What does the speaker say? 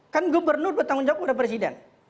kan gubernur bertanggung jawab udah presiden